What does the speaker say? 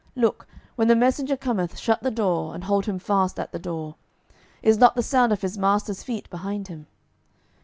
look, when the messenger cometh, shut the door, and hold him fast at the door: is not the sound of his master's feet behind him?